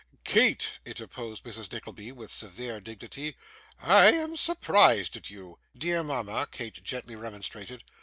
'Kate,' interposed Mrs. Nickleby with severe dignity, 'I am surprised at you.' 'Dear mama,' Kate gently remonstrated.